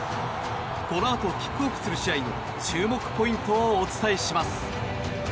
このあとキックオフする試合の注目ポイントをお伝えします。